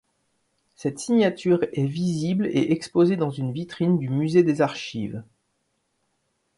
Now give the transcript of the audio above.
Cette signature est visible et exposée dans une vitrine du Musée des archives.